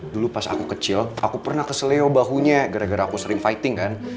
tuh aku pernah keselio bahunya gara gara aku sering fighting kan